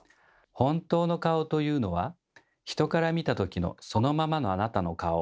本当の顔というのは人から見た時のそのままのあなたの顔。